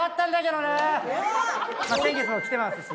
先月も来てますし。